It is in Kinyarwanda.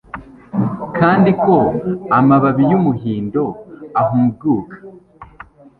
kandi ko amababi yumuhindo ahumguka